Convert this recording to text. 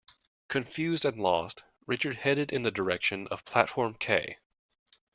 Confused and lost, Richard headed in the direction of platform K.